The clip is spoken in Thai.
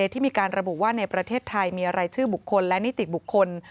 ที่มีการระบุว่าในประเทศไทยมีรายชื่อบุคคลและนิติบุคคล